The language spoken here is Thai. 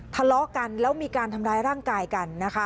ทะเลาะกันแล้วมีการทำร้ายร่างกายกันนะคะ